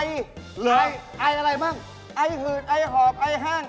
เริ่มไออะไรบ้างไอหืดไอหอบไอห้าง